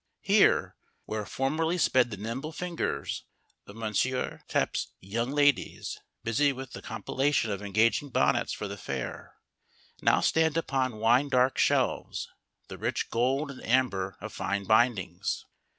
Here, where formerly sped the nimble fingers of M. Tappe's young ladies, busy with the compilation of engaging bonnets for the fair, now stand upon wine dark shelves the rich gold and amber of fine bindings.